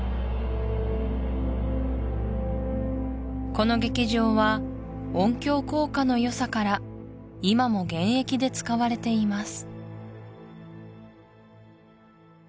この劇場は音響効果のよさから今も現役で使われています